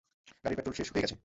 গাড়ির পেট্রল শেষ হয়ে গেছে।